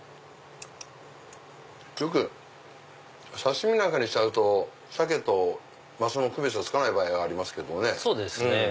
よく刺し身なんかにしちゃうとサケとマスの区別がつかない場合はありますけどね。